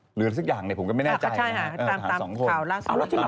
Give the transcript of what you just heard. เหลืออะไรสักอย่างผมก็ไม่แน่ใจนะครับทหาร๒คนน่ะ